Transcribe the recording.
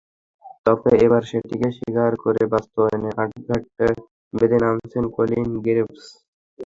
তবে এবার সেটিকে স্বীকার করে বাস্তবায়নে আটঘাট বেঁধে নামছেন কলিন গ্রেভস।